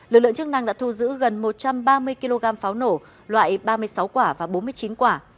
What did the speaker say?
lực lượng chức năng đã thu giữ gần một trăm ba mươi kg pháo nổ loại ba mươi sáu quả và bốn mươi chín quả